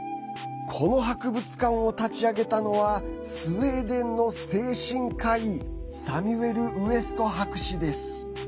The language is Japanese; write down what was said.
この博物館を立ち上げたのはスウェーデンの精神科医サミュエル・ウエスト博士です。